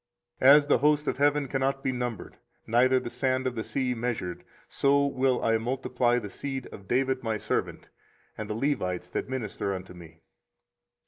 24:033:022 As the host of heaven cannot be numbered, neither the sand of the sea measured: so will I multiply the seed of David my servant, and the Levites that minister unto me.